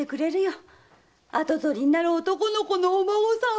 跡取りになる男の子のお孫さん